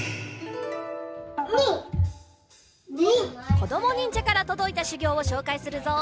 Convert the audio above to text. こどもにんじゃからとどいたしゅぎょうをしょうかいするぞ。